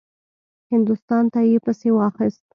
هندوستان ته یې پسې واخیست.